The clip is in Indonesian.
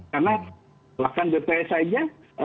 karena lakukan dps saja